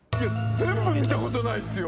全部見たことないっすよ！